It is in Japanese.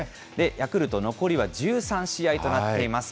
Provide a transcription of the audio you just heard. ヤクルト、残りは１３試合となっています。